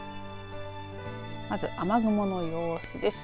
まず、雨雲の様子です。